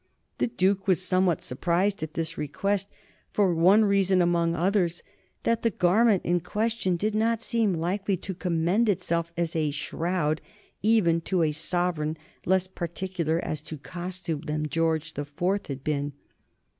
The Duke was somewhat surprised at this request, for one reason among others that the garment in question did not seem likely to commend itself as a shroud even to a sovereign less particular as to costume than George the Fourth had been.